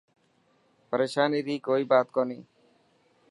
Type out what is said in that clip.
پريشاني ري ڪوئي بات ڪوني.